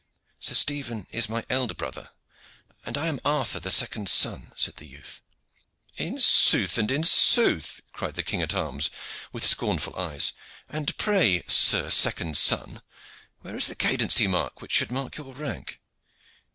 "Sir Stephen is my elder brother, and I am Arthur, the second son," said the youth. "In sooth and in sooth!" cried the king at arms with scornful eyes. "And pray, sir second son, where is the cadency mark which should mark your rank.